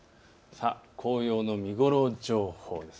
紅葉の見頃情報です。